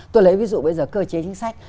tôi lấy ví dụ bây giờ cơ chế chính sách